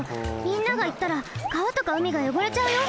みんなが行ったらかわとかうみがよごれちゃうよ！